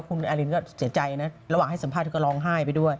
คุณอารินก็เสียใจนะระหว่างให้สัมภาษณ์ก็ร้องไห้ไปด้วย